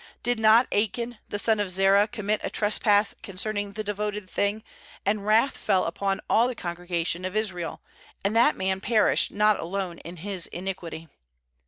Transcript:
20Did not Achan the son of Zerah commit a trespass concerning the devoted thing, and wrath fell upon all the congregation of Israel? and that man perished not alone in his iniquity.'